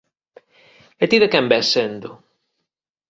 E ti de quen vés sendo?